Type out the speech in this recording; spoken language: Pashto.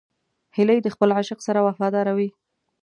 هیلۍ د خپل عاشق سره وفاداره وي